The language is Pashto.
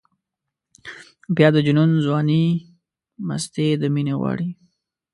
بیا د جنون ځواني مستي د مینې غواړي.